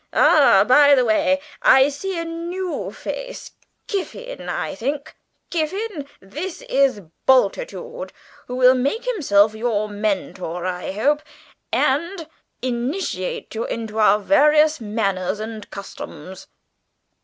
Ah, by the way, I see a new face Kiffin, I think? Kiffin, this is Bultitude, who will make himself your mentor, I hope, and initiate you into our various manners and customs."